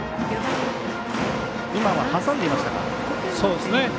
今は挟んでいましたか。